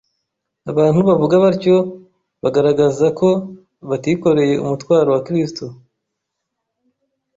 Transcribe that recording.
” Abantu bavuga batyo, bagaragaza ko batikoreye umutwaro wa Kristo